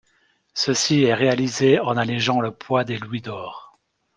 Ceci est réalisé en allégeant le poids des louis d'or.